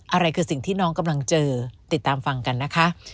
อะไรคือสิ่งที่น้องกำลังเจอติดตามฟังกันนะคะ